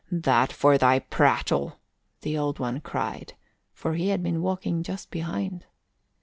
"That for thy prattle," the Old One cried, for he had been walking just behind.